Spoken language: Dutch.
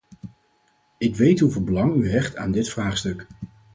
Ik weet hoeveel belang u hecht aan dit vraagstuk.